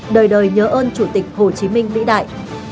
đời đời nhớ ơn chủ tịch hồ chí minh vĩ đại